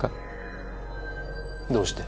どうして？